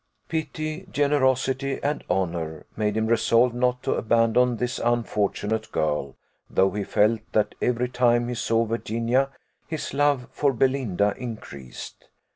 Pity, generosity, and honour, made him resolve not to abandon this unfortunate girl; though he felt that every time he saw Virginia, his love for Belinda increased.